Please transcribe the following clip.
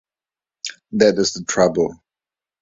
That is the trouble.